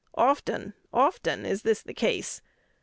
Often, often, is this the case.